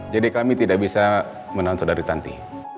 jadi kami tidak bisa menahan saudara tanti